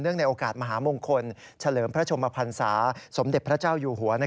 ในโอกาสมหามงคลเฉลิมพระชมพันศาสมเด็จพระเจ้าอยู่หัว